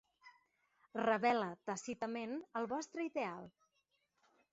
Rebel·la tàcitament el vostre ideal